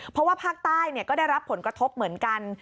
เพราะว่าภาคใต้ก็ได้รับผลกระทบเหมือนกัน